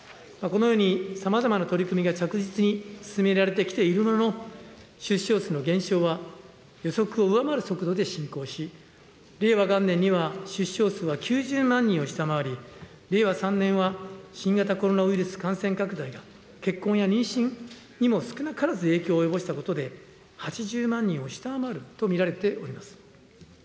このようにさまざまな取り組みが着実に進められてきているものの、出生数の減少は予測を上回る速度で進行し、令和元年には出生数は９０万人を下回り、令和３年は新型コロナウイルス感染拡大が、結婚や妊娠にも少なからず影響を及ぼしたことで、８０万人を下回ると見られております。